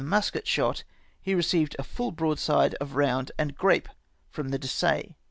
musket shot, he received a full broadside of roiuad and grape from the Dessaix.